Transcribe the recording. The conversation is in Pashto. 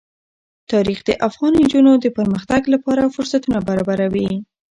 تاریخ د افغان نجونو د پرمختګ لپاره فرصتونه برابروي.